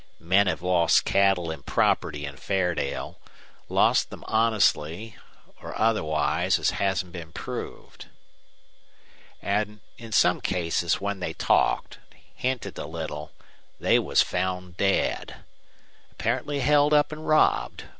"Men have lost cattle an' property in Fairdale lost them honestly or otherwise, as hasn't been proved. An' in some cases when they talked hinted a little they was found dead. Apparently held up an robbed.